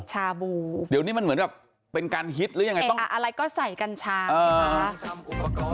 ชาบูเดี๋ยวนี้มันเหมือนแบบเป็นการฮิตหรือยังไงต้องอะไรก็ใส่กัญชา